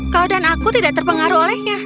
kau dan aku tidak terpengaruh olehnya